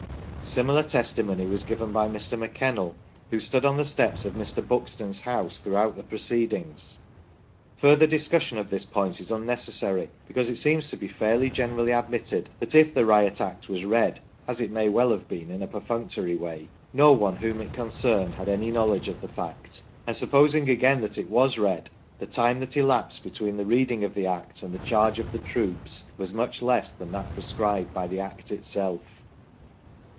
Similar testimony was given by Mr. McKennell, who stood on the steps of Mr. Buxton's house throughout the proceedings. Further discussion of this point is unnecessary because it seems to be fairly generally admitted that if the Riot Act was read (as it may well have been in a perfunctory way) no one whom it concerned had any knowledge of the fact ; and supposing again that it was read, the time that elapsed between the reading of the Act and the charge of the troops was much less than that prescribed by the Act itself.